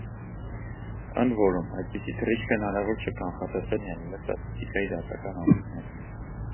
Ընդ որում՝ այդպիսի թռիչքը հնարավոր չէ կանխատեսել՝ ելնելով ստատիստիկայի դասական օրենքներից։